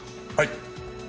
はい。